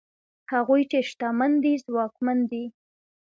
هغوی چې شتمن دي ځواکمن دي؛